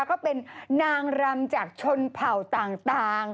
ก็เป็นนางรำจากชนเผ่าต่าง